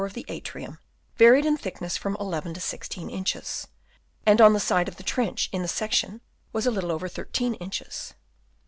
183 of the atrium varied in thickness from 1 L to 16 inches; and on the side of the trench in the section was a little over 1 3 inches.